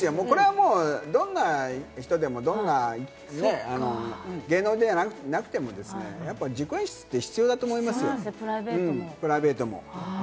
どんな人でも、芸能じゃなくてもですね、自己演出って必要だと思いますよ、プライベートも。